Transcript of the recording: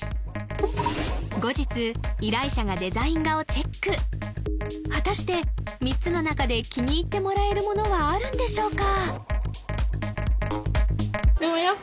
後日依頼者がデザイン画をチェック果たして３つの中で気に入ってもらえるものはあるんでしょうか？